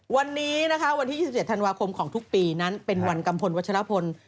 วันนี้วันที่๒๗ธันวาคมของทุกปีนั้นเป็นวันกรรมพลวัชฌาภนธ์